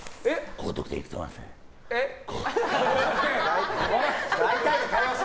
高得点行くと思います。